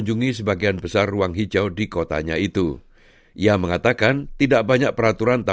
jadi sangat penting untuk mengikuti tanda tanda taman kota